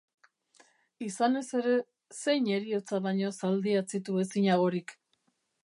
Izanez ere, zein heriotza baino zaldi atzitu ezinagorik?